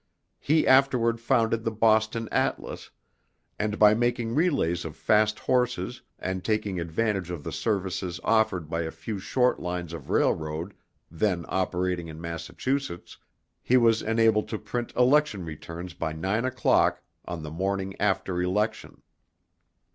He afterward founded the Boston Atlas, and by making relays of fast horses and taking advantage of the services offered by a few short lines of railroad then operating in Massachusetts, he was enabled to print election returns by nine o'clock on the morning after election.